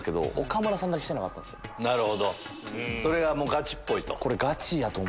それがガチっぽいと。